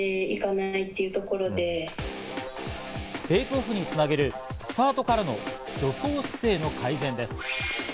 テイクオフにつなげるスタートからの助走姿勢の改善です。